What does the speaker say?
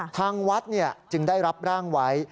ทางวัดจึงได้รับร่างไว้